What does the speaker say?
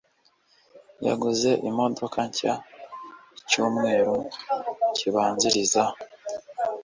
yaguze imodoka nshya icyumweru kibanziriza.